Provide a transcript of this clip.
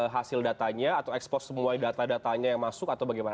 hasil datanya atau expose semua data datanya yang masuk atau bagaimana